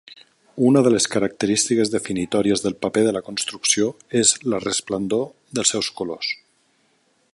Una de les característiques definitòries del paper de la construcció és la resplendor dels seus colors.